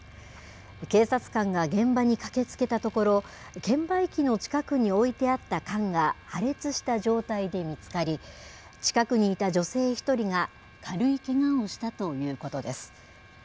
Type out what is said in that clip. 警察官が現場に駆けつけたところ、券売機の近くに置いてあった缶が破裂した状態で見つかり、近くにいた女性１人が軽いけがをしたということです。